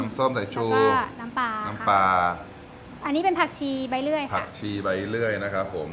ส้มใส่ชูน้ำปลาน้ำปลาอันนี้เป็นผักชีใบเลื่อยค่ะผักชีใบเลื่อยนะครับผม